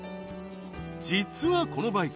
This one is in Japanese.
実はこのバイク